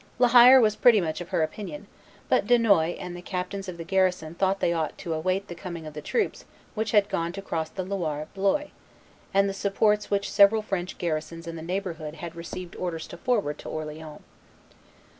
La Hire was pretty much of her opinion; but Dunois and the captains of the garrison thought they ought to await the coming of the troops which had gone to cross the Loire at Blois, and the supports which several French garrisons in the neighborhood had received orders to forward to Orleans.